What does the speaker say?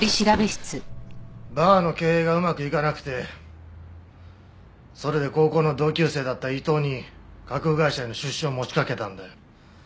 バーの経営がうまくいかなくてそれで高校の同級生だった伊藤に架空会社への出資を持ちかけたんだよ。